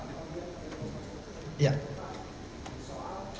dugaan bahwa ada general polisi yang terlibat